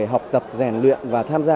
học tập giàn luyện và tham gia